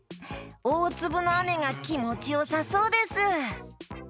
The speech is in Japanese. おおつぶのあめがきもちよさそうです！